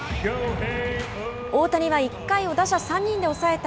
大谷は１回を打者３人で抑えた